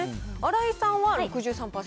新井さんは６３％。